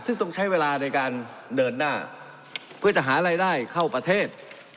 ซึ่งต้องใช้เวลาในการเดินหน้าเพื่อจะหารายได้เข้าประเทศ